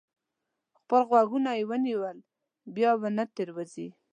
خپل غوږونه یې ونیول؛ بیا به نه تېروځي.